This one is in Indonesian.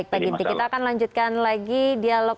kita akan lanjutkan lagi dialog